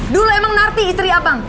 dulu emang narti istri abang